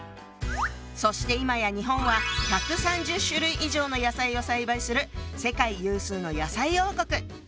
そしていまや日本は１３０種類以上の野菜を栽培する世界有数の野菜王国！